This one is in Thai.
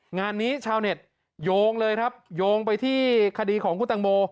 งานนี้ชาวเน็ตโยงเลยครับโยงไปที่คดีของคุณตังโม